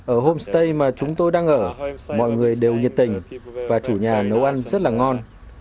ở homestay mà chúng tôi đang ở mọi người đều nhiệt tình và chủ nhà nấu ăn rất là ngon